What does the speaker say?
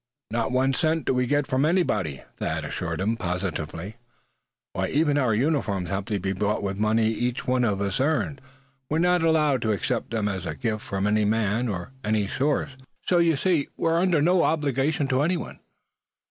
"Not one cent do we get from anybody," Thad assured him, positively. "Why, even our uniforms have to be bought with money we've each one earned. We're not allowed to accept them as a gift from any man, or any source. So you see, we're under no obligations to anybody."